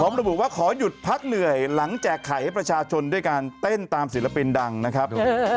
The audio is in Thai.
ระบุว่าขอหยุดพักเหนื่อยหลังแจกไข่ให้ประชาชนด้วยการเต้นตามศิลปินดังนะครับ